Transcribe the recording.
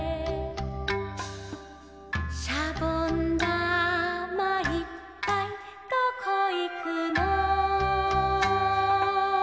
「しゃぼんだまいっぱいどこいくの」